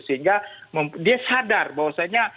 sehingga dia sadar bahwasannya